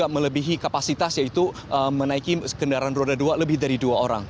melebihi kapasitas yaitu menaiki kendaraan roda dua lebih dari dua orang